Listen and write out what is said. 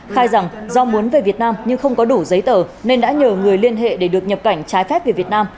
khai rằng do muốn về việt nam nhưng không có đủ giấy tờ nên đã nhờ người liên hệ để được nhập cảnh trái phép về việt nam